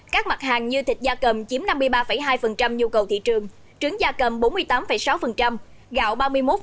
các mặt hàng như thịt da cầm chiếm năm mươi ba hai nhu cầu thị trường trứng da cầm bốn mươi tám sáu gạo ba mươi một